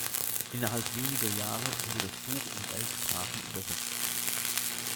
Innerhalb weniger Jahre wurde das Buch in elf Sprachen übersetzt.